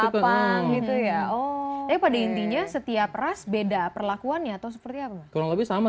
apa gitu ya oh tapi pada intinya setiap ras beda perlakuannya atau seperti apa kurang lebih sama